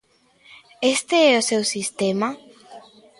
¿Este é o seu sistema?